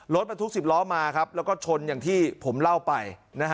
รถบรรทุก๑๐ล้อมาครับแล้วก็ชนอย่างที่ผมเล่าไป